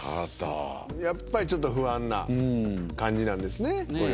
やっぱりちょっと不安な感じなんですね。